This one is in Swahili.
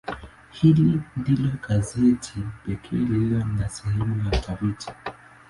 Hili ndilo gazeti pekee lililo na sehemu ya utafiti.